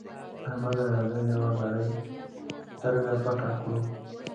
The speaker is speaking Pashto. احمده! راځه يوه ګړۍ سترګه پټه کړو.